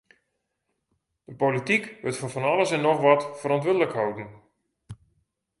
De polityk wurdt foar fan alles en noch wat ferantwurdlik holden.